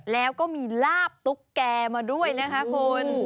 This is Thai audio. แล้วก็มีลาบตุ๊กแก่มาด้วยนะคะคุณ